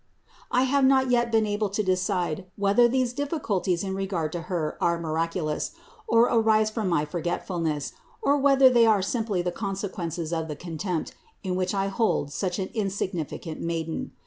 I have not yet been able to decide whether these difficulties in regard to Her are miraculous, or arise from my forget fulness, or whether they are simply the consequences of the contempt in which I hold such an insignificant Maiden.